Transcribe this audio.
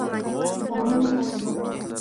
ځانونه پټ کړئ.